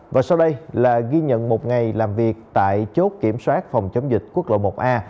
và sau đây là ghi nhận một ngày làm việc tại chốt kiểm soát phòng chống dịch quốc lộ một a